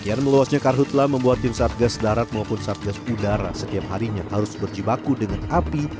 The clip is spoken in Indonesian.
kian meluasnya karhutlah membuat tim satgas darat maupun satgas udara setiap harinya harus berjibaku dengan api